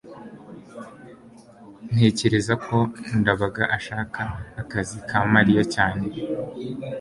ntekereza ko ndabaga ashaka akazi ka mariya cyane